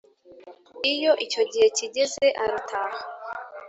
Iyo icyo gihe kigeze arataha